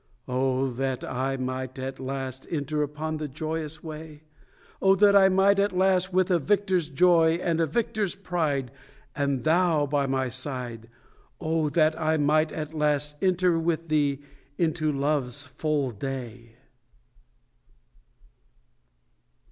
Oh, that I might at last Enter upon the joyous way, Oh, that I might at last, With a victor's joy and a victor's pride, And thou by my side Oh, that I might at last Enter with thee into love's full day!